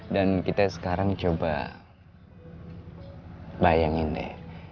dan kita sekarang coba bayangin deh